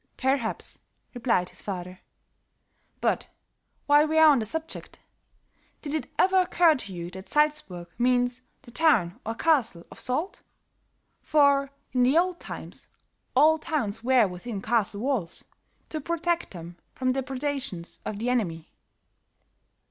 "Perhaps," replied his father. "But, while we are on the subject, did it ever occur to you that Salzburg means the 'town or castle of salt?' for, in the old times, all towns were within castle walls, to protect them from depredations of the enemy."